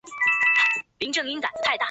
林宰平中华民国哲学研究家。